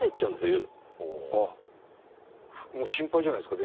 もう心配じゃないですか？